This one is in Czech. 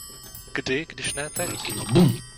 Kdy, když ne teď?